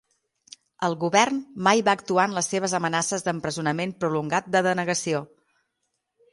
El govern mai va actuar en les seves amenaces d'empresonament prolongat de denegació.